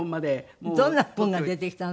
どんなものが出てきたの？